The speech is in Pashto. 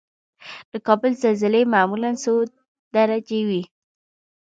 د کابل زلزلې معمولا څو درجې وي؟